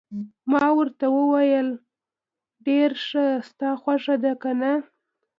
ما ورته وویل: ډېر ښه، ستا خوښه ده، که نه؟